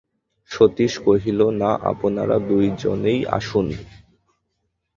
সতীশ কহিল, না, আপনারা দুজনেই আসুন।